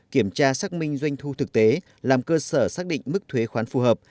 kiểm tra xác minh doanh thu thực tế làm cơ sở xác định mức thuế khoán phù hợp